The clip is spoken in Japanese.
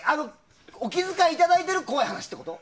お気遣いいただいてる怖い話ってこと？